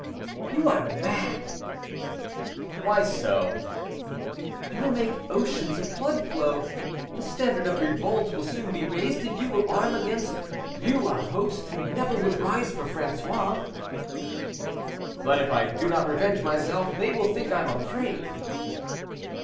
"You are mad." "Why so?" "You will make oceans of blood flow. The standard of revolt will soon be raised; and you will arm against you a host who never would rise for François." "But if I do not revenge myself they will think I am afraid."